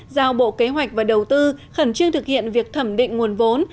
giao bộ kế hoạch và đầu tư khẩn trương thực hiện việc thẩm định nguồn vốn